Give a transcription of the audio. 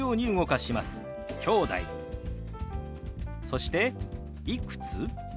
そして「いくつ？」。